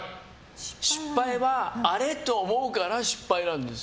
失敗は、あれ？と思うから失敗なんです。